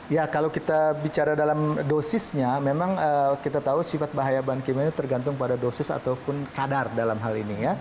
ya kalau kita bicara dalam dosisnya memang kita tahu sifat bahaya bahan kimia ini tergantung pada dosis ataupun kadar dalam hal ini